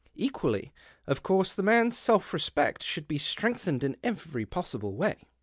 Equally, of course, the man's self respect should be strengthened in every possible way."